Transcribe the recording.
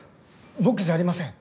僕じゃありません。